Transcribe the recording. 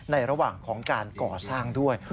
ระหว่างของการก่อสร้างด้วย